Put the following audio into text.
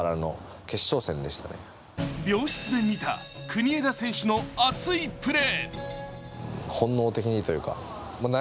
病室で見た、国枝選手の熱いプレー。